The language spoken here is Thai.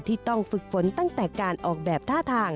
ที่ต้องฝึกฝนตั้งแต่การออกแบบท่าทาง